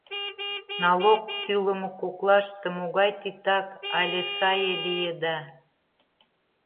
Налог тӱлымӧ коклаште могай титак але сае лиеда?